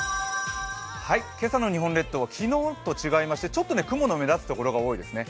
今朝の日本列島は昨日と違いましてちょっと雲の目立つ所が多いですね。